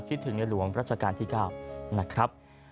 คิดถึงหลวงราชการที่ก้าวนะครับ